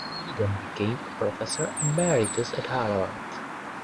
He then became a professor emeritus at Harvard.